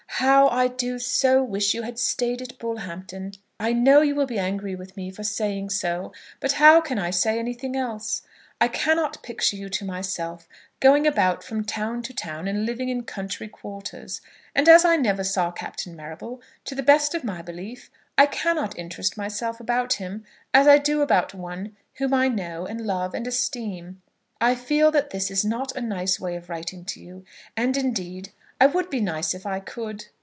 how I do so wish you had stayed at Bullhampton! I know you will be angry with me for saying so, but how can I say anything else? I cannot picture you to myself going about from town to town and living in country quarters. And as I never saw Captain Marrable, to the best of my belief, I cannot interest myself about him as I do about one whom I know and love and esteem. I feel that this is not a nice way of writing to you, and indeed I would be nice if I could.